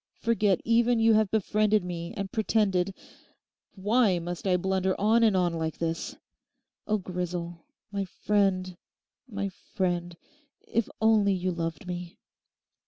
Forget even you have befriended me and pretended—Why must I blunder on and on like this? Oh, Grisel, my friend, my friend, if only you loved me!